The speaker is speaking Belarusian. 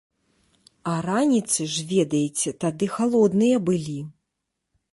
А раніцы ж, ведаеце, тады халодныя былі.